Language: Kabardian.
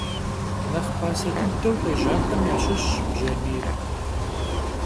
Нэхъ пасэ дыдэу къежьахэм ящыщщ бжьамийр.